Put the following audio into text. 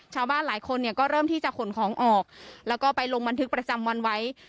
ชาวบ้านหลายคนเนี่ยก็เริ่มที่จะขนของออกแล้วก็ไปลงบันทึกประจำวันไว้